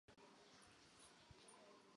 齐伦贝尔格是德国黑森州的一个市镇。